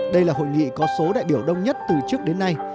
đây là hội nghị có số đại biểu đông nhất từ trước đến nay